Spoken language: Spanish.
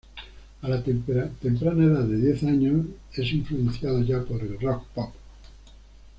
A la temprana edad de diez años es influenciado ya por el rock pop.